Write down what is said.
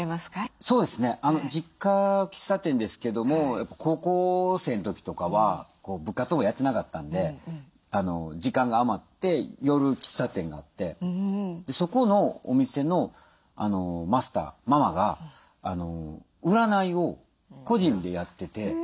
そうですね。実家喫茶店ですけども高校生の時とかは部活もやってなかったんで時間が余って寄る喫茶店があってそこのお店のマスターママが占いを個人でやってて。